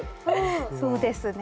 そうですね。